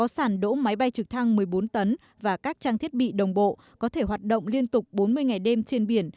sản đỗ máy bay trực thăng một mươi bốn tấn và các trang thiết bị đồng bộ có thể hoạt động liên tục bốn mươi ngày đêm trên biển